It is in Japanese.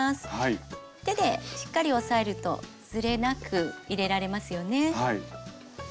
手でしっかり押さえるとずれなく入れられますよね。